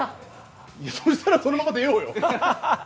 そしたらそのまま出ようよ。